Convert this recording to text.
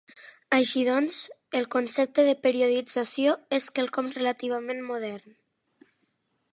Així doncs, el concepte de periodització és quelcom relativament modern.